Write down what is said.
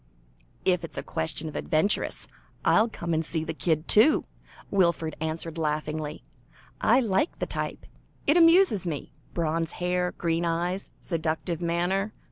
"If it's a question of adventuresses, I'll come and see the kid too," Wilfred answered laughingly. "I like the type; it amuses me. Bronze hair, green eyes, seductive manner.